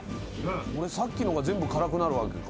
さっきのが全部辛くなるわけか。